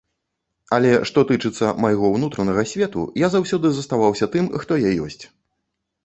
Але што тычыцца майго ўнутранага свету, я заўсёды заставаўся тым, хто я ёсць.